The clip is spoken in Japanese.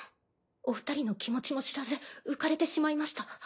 お二人の気持ちも知らず浮かれてしまいました。